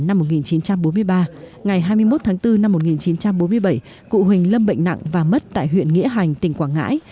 năm một nghìn chín trăm bốn mươi ba ngày hai mươi một tháng bốn năm một nghìn chín trăm bốn mươi bảy cụ huỳnh lâm bệnh nặng và mất tại huyện nghĩa hành tỉnh quảng ngãi